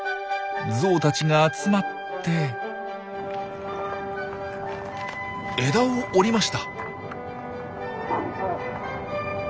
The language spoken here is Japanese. ゾウたちが集まって枝を折りました。